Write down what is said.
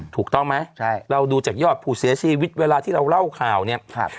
ถูกต้องไหมใช่เราดูจากยอดผู้เสียชีวิตเวลาที่เราเล่าข่าวเนี่ย